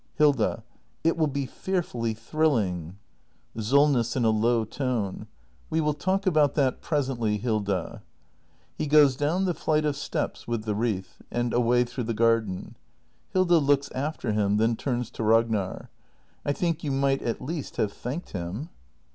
Hilda. It will be fearfully thrilling. Solness. [In a low tone.] We will talk about that presently, Hilda. [He goes down the flight of steps with the wreath, and away through the garden. Hilda. [Looks after him, then turns to Ragnar.] I think you might at least have thanked him.